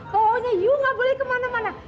pokoknya you gak boleh kemana mana